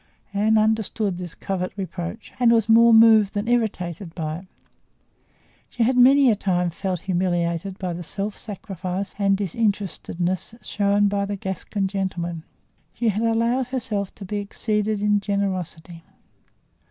Anne understood this covert reproach and was more moved than irritated by it. She had many a time felt humiliated by the self sacrifice and disinterestedness shown by the Gascon gentleman. She had allowed herself to be exceeded in generosity.